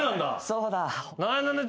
そうだ。